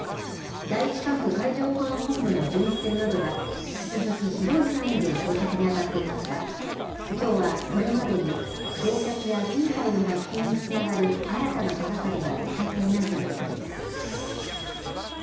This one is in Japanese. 第１管区海上保安本部の巡視船などが、引き続き広い範囲で捜索に当たっていますが、きょうはこれまでに、乗客や船体の発見につながる新たな手がかりは見つかっていないということです。